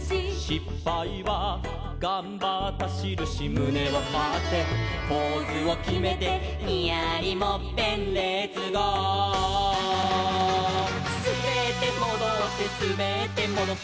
「しっぱいはがんばったしるし」「むねをはってポーズをきめて」「ニヤリもっぺんレッツゴー！」「すべってもどってすべってもどって」